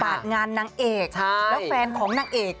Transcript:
งานนางเอกแล้วแฟนของนางเอก